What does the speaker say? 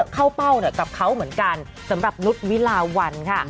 เป้ากับเขาเหมือนกันสำหรับนุษย์วิลาวันค่ะ